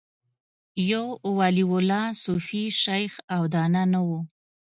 یو ولي الله، صوفي، شیخ او دانا نه و